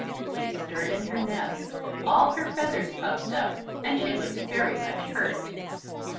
She stirred in her nest. All her feathers puffed up and she looked very much hurt.